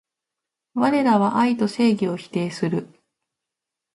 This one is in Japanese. われらは愛と正義を否定する